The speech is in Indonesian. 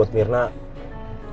yang diberikan kekuatan